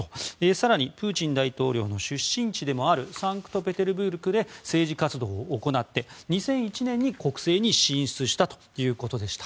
更にプーチン大統領の出身地でもあるサンクトペテルブルクで政治活動を行って２００１年に国政に進出したということでした。